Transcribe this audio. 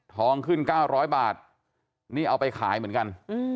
ทองขึ้น๙๐๐บาทนี่เอาไปขายเหมือนกัน